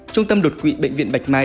trung tâm đột quỵ bệnh viện bạch mai